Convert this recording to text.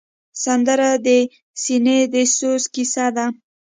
سندره د سینې د سوز کیسه ده